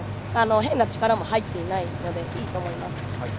変な力も入っていないのでいいと思います。